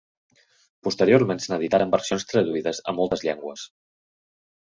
Posteriorment se n'editaren versions traduïdes a moltes llengües.